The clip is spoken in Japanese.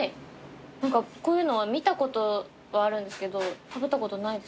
こういうのは見たことはあるんですけど食べたことないです。